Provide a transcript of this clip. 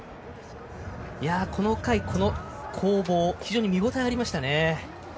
この回、この攻防非常に見応えがありましたね。